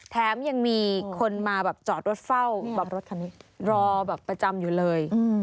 แถมยังมีคนมาจอดรถเฝ้ารอประจำอยู่เลย